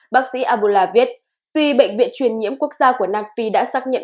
bác sĩ abula viết vì bệnh viện truyền nhiễm quốc gia của nam phi đã xác nhận